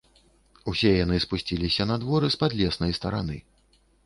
Усе яны спусціліся на двор з падлеснай стараны.